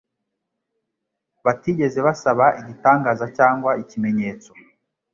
batigeze basaba igitangaza cyangwa ikimenyetso.